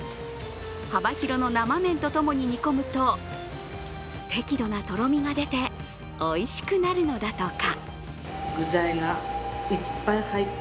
幅広の生麺と共に煮込むと適度なとろみが出ておいしくなるのだとか。